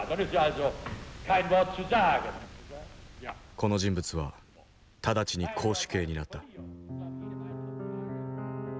この人物は直ちに絞首刑になった。